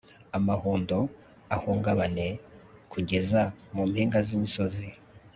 amahundo ahungabane kugeza mu mpinga z'imisozi,